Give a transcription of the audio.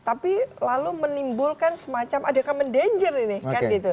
tapi lalu menimbulkan semacam adekam men danger ini kan gitu